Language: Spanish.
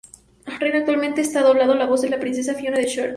Renee actualmente está doblando la voz de Princesa Fiona, de Shrek.